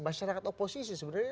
masyarakat oposisi sebenarnya